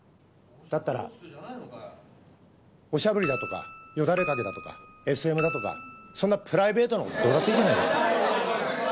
だったらおしゃぶりだとかよだれかけだとかＳＭだとかそんなプライベートな事どうだっていいじゃないですか。